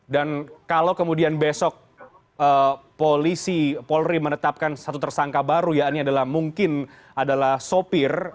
dan kalau kemudian besok polisi polri menetapkan satu tersangka baru ya ini adalah mungkin adalah sopir